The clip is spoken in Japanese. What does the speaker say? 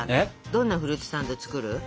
どんなフルーツサンド作る？